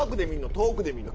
遠くで見るの？